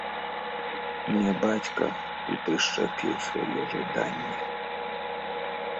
Мне бацька і прышчапіў свае жаданні.